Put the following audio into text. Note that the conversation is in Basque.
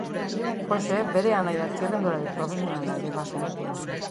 Joxe bere anaia txirrindulari profesionala ere bazen.